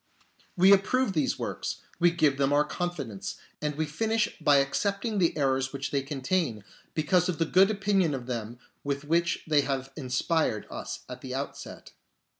We approve these works ; we give them our confidence ; and we finish by accepting the errors which they contain, because of the good opinion of them with which they have inspired us at the outset.